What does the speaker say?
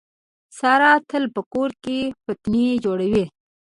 ساره تل په کور کې فتنې جوړوي.